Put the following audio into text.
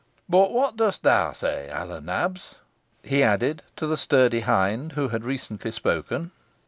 "But whot dust theaw say, Hal o' Nabs?" he added, to the sturdy hind who had recently spoken.